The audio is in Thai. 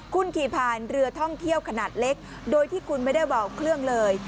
คุณขี่ผ่านเรือท่องเที่ยวขนาดเล็กโดยที่คุณไม่ได้เบาเครื่องเลย